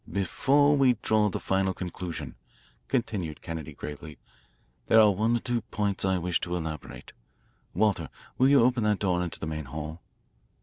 Before we draw the final conclusion," continued Kennedy gravely, "there are one or two points I wish to elaborate. Walter, will you open that door into the main hall?"